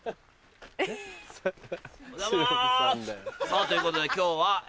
さぁということで今日は。